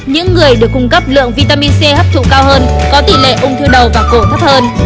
những người được cung cấp lượng vitamin c hấp thụ cao hơn có tỷ lệ ung thư đầu và cổ thấp hơn